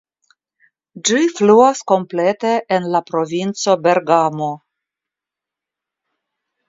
Ĝi fluas komplete en la provinco Bergamo.